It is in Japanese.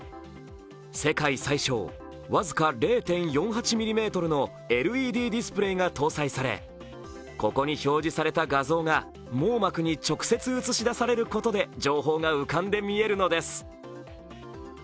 世界最小、僅か０．４８ｍｍのＬＥＤディスプレイが搭載されここに表示された画像が網膜に直接映し出されることで情報が浮かんで見えるのです。